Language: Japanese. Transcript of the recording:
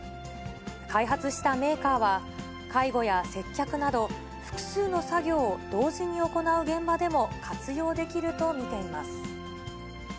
開発したメーカーは、介護や接客など、複数の作業を同時に行う現場でも活用できると見ています。